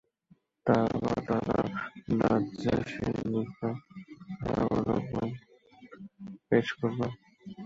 তারপর তারা নাজ্জাশীর নিকট তার উপঢৌকন পেশ করল।